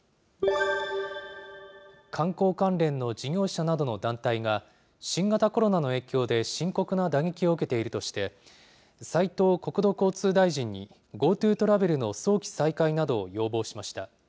観光関連の事業者などの団体が、新型コロナの影響で深刻な打撃を受けているとして、斉藤国土交通大臣にＧｏＴｏトラベルの早期再開などを要望しました。